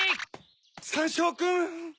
サンショウくん！